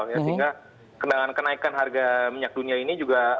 sehingga kenangan kenaikan harga minyak dunia ini juga